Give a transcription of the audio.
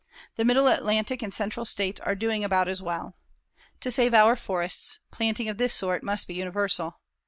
The Middle Atlantic and Central States are doing about as well. To save our forests, planting of this sort must be universal.